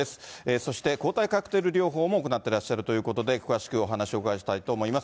そして抗体カクテル療法も行ってらっしゃるということで、詳しいお話をお伺いしたいと思います。